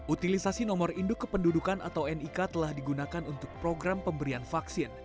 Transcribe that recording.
utilisasi nomor induk kependudukan atau nik telah digunakan untuk program pemberian vaksin